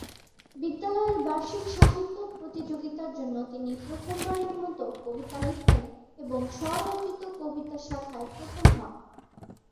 বিদ্যালয়ের বার্ষিক সাহিত্য প্রতিযোগিতার জন্য তিনি প্রথমবারের মত কবিতা লিখেন এবং স্বরচিত কবিতা শাখায় প্রথম হন।